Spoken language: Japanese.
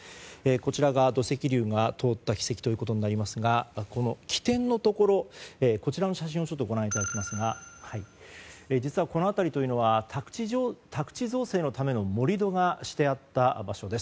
こちらが土石流が通った軌跡となりますが基点のところの写真をご覧いただきますが実はこの辺りというのは宅地造成のための盛り土がしてあった場所です。